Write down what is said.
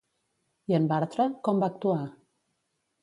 I en Bartra, com va actuar?